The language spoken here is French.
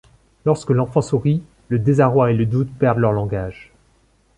Lorsque l’enfant sourit, le désarroi et le doute perdent leur langage.